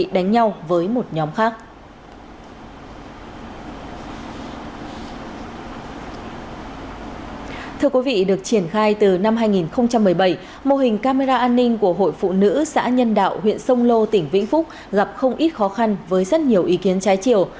thưa quý vị được triển khai từ năm hai nghìn một mươi bảy mô hình camera an ninh của hội phụ nữ xã nhân đạo huyện sông lô tỉnh vĩnh phúc gặp không ít khó khăn với rất nhiều ý kiến trái chiều